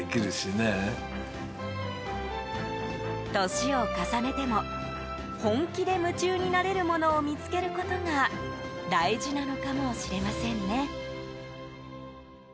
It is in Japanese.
年を重ねても本気で夢中になれるものを見つけることが大事なのかもしれませんね。